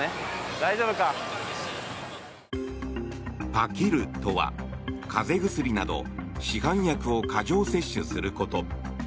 パキるとは、風邪薬など市販薬を過剰摂取すること。